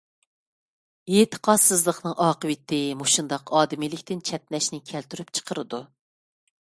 ئېتىقادسىزلىقنىڭ ئاقىۋىتى مۇشۇنداق ئادىمىيلىكتىن چەتنەشنى كەلتۈرۈپ چىقىرىدۇ!